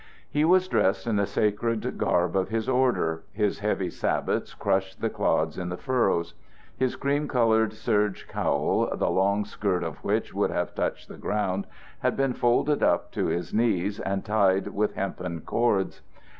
He was dressed in the sacred garb of his order. His heavy sabots crushed the clods in the furrows. His cream colored serge cowl, the long skirt of which would have touched the ground, had been folded up to his knees and tied with hempen cords.